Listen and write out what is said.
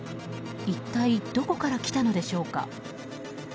一体どこから来たのでしょうか。